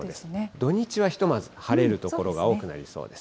土日はひとまず晴れる所が多くなりそうです。